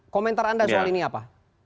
komentar anda soal ini apa